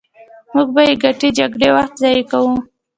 موږ په بې ګټې جګړو وخت ضایع کوو.